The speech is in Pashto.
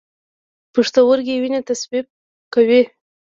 پښتورګي وینه تصفیه کوي